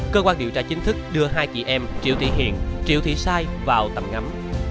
cơ quan điều tra chính thức đưa hai chị em triệu thị hiền triệu thị sai vào tầm ngắm